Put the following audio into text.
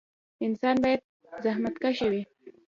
انسان باید زخمتکشه وي